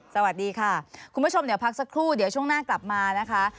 สวัสดีค่ะคุณผู้ชมเดี๋ยวพักสักครู่เดี๋ยวช่วงหน้ากลับมานะคะ